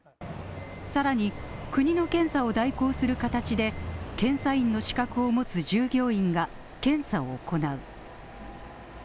更に、国の検査を代行する形で、検査員の資格を持つ従業員が検査を行う。